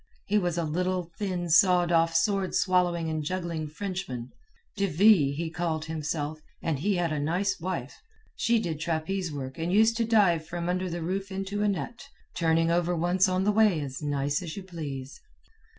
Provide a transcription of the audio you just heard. He was a little, thin, sawed off, sword swallowing and juggling Frenchman. De Ville, he called himself, and he had a nice wife. She did trapeze work and used to dive from under the roof into a net, turning over once on the way as nice as you please.